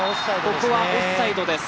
ここはオフサイドです。